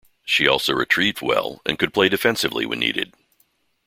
She also retrieved well and could play defensively when needed.